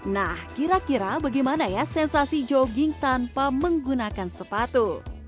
nah kira kira bagaimana ya sensasi jogging tanpa menggunakan sepatu